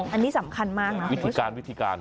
อันนี้สำคัญมากนะวิธีการวิธีการ